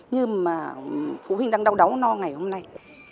nhưng mà phụ huynh đang đau đáu no ngày hôm nay